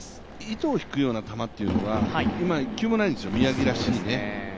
糸を引くような球というのが１球もないんですよ、宮城らしいね。